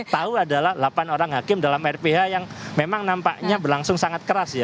tahu adalah delapan orang hakim dalam rph yang memang nampaknya berlangsung sangat keras ya